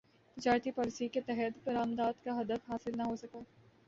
تجارتی پالیسی کے تحت برامدات کا ہدف حاصل نہ ہوسکا